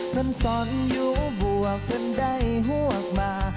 พื้นสอนอยู่บวกพื้นได้หวกมา